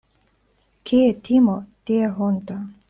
Kie timo, tie honto.